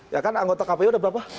ya kan anggota kpu ada berapa